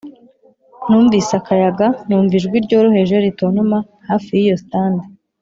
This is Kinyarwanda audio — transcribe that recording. numvise akayaga numva ijwi ryoroheje ritontoma hafi yiyo stand.